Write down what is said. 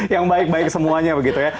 yang baik baik semuanya begitu ya